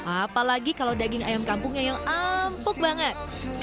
apalagi kalau daging ayam kampungnya yang empuk banget